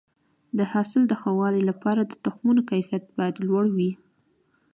د حاصل د ښه والي لپاره د تخمونو کیفیت باید لوړ وي.